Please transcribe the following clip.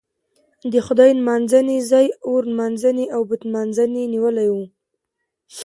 د خدای نمانځنې ځای اور نمانځنې او بت نمانځنې نیولی و.